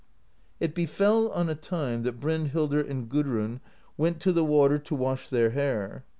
"It befell on a time that Brynhildr and Gudrun went to the water to wash their hair.